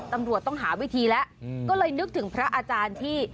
ตำรวจต้องหาวิธีแล้วก็เลยนึกถึงพระอาจารย์ที่